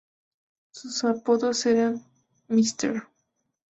Sus apodos eran ""Mr.